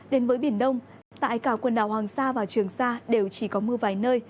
đến với biển đông tại cả quần đảo hoàng sa và trường sa đều chỉ có mưa vài nơi